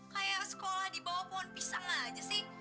kayak sekolah di bawah pohon pisang aja sih